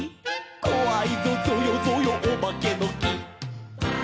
「こわいぞぞよぞよおばけのき」